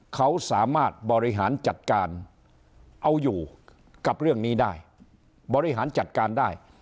เขาสามารถบริหารจัดการเอาอยู่กับเรื่องนี้ได้บริหารจัดการได้